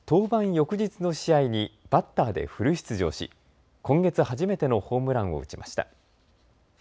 翌日の試合にバッターでフル出場し、今月初めてのホームランを打ちました。